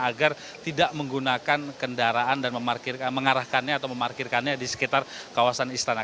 agar tidak menggunakan kendaraan dan mengarahkannya atau memarkirkannya di sekitar kawasan istana